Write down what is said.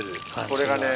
これがね。